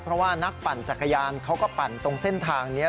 เพราะว่านักปั่นจักรยานเขาก็ปั่นตรงเส้นทางนี้